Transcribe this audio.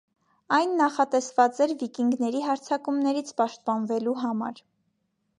Այն նախատեսված էր վիկինգների հարձակումներից պաշտպանվելու համար։